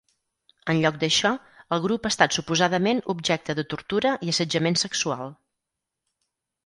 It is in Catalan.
En lloc d'això, el grup ha estat suposadament objecte de tortura i assetjament sexual.